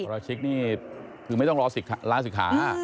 ราชิกนี่คือไม่ต้องรอลาศิกขา